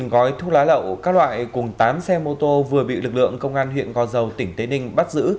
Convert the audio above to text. một mươi gói thuốc lá lậu các loại cùng tám xe mô tô vừa bị lực lượng công an huyện gò dầu tỉnh tây ninh bắt giữ